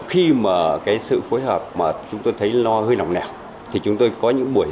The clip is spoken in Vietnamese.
khi mà cái sự phối hợp mà chúng tôi thấy lo hơi nỏng nẻo thì chúng tôi có những buổi